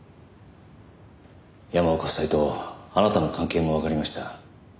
山岡夫妻とあなたの関係もわかりました。